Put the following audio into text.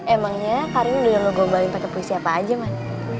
emangnya karin udah lo gombalin pake puisi apa aja man